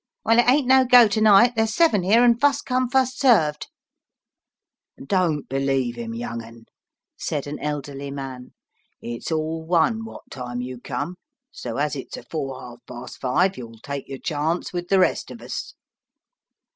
"Well, it ain't no go to night. There's seven here, and fust come, fust served." "Don't believe him, young 'un," said an elderly man, "it's all one what time you come, so as it's afore half past five you'll take your chance with the rest of us."